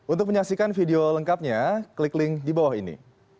untuk menyaksikan video lengkapnya klik link di bawah ini